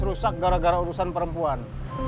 rusak gara gara urusan perempuan